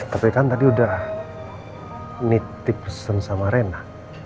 eh tapi kan tadi udah nitik pesen sama rena